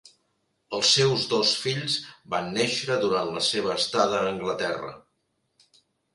Els seus dos fills van néixer durant la seva estada a Anglaterra.